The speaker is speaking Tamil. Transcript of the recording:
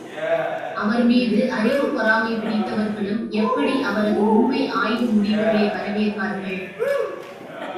அவர் மீது அறிவுப் பொறாமை பிடித்தவர்களும் எப்படி அவரது உண்மை ஆய்வு முடிவுகளை வரவேற்பார்கள்?